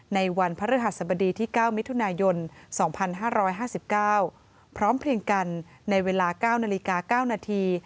ในวันพระฤหัสบดีที่เก้ามิถุนายนสองพันห้าร้อยห้าสิบเก้าพร้อมเพียงกันในเวลาเก้านาฬิกาเก้านาที